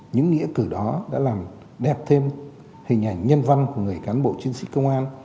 những nghĩa cử đó đã làm đẹp thêm hình ảnh nhân văn của người cán bộ chiến sĩ công an